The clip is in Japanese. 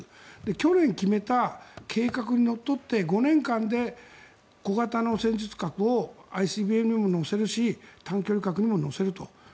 去年決めた計画にのっとって５年間で小型の戦術核をＩＣＢＭに載せるし短距離核にも載せると。